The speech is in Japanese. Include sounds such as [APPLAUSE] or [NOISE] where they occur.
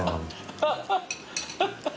ハハハ [LAUGHS]